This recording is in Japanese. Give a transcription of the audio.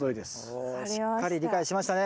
おしっかり理解しましたね。